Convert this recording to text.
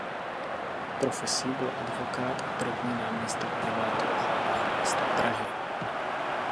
Profesí byl advokát a první náměstek primátora hlavního města Prahy.